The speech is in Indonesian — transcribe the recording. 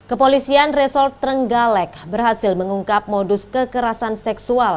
kepolisian resort trenggalek berhasil mengungkap modus kekerasan seksual